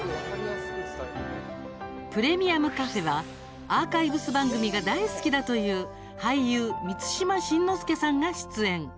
プレミアムカフェはアーカイブス番組が大好きだという俳優・満島真之介さんが出演。